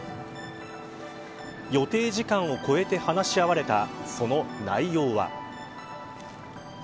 予定時間を超えて話し合われたその内容は。